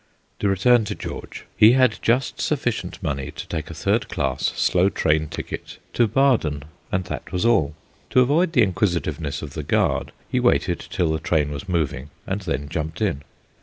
To return to George, he had just sufficient money to take a third class slow train ticket to Baden, and that was all. To avoid the inquisitiveness of the guard, he waited till the train was moving, and then jumped in.